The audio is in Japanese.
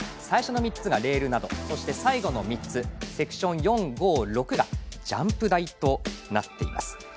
最初の３つがレールなどそして最後の３つセクション４、５、６がジャンプ台となっています。